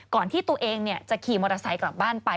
ก่อนที่ตัวเองจะขี่มอเตอร์ไซค์กลับบ้านไป